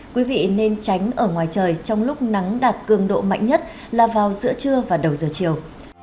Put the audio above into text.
quý vị nên tránh ở ngoài trời trong lúc nắng đạt cường độ mạnh nhất là vào giữa trưa và đầu giờ chiều